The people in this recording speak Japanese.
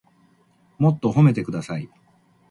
もっと褒めてください